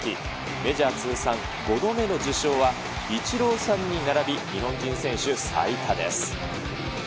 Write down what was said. メジャー通算５度目の受賞はイチローさんに並び、日本人選手最多です。